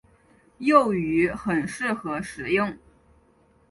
幼鱼很适合食用。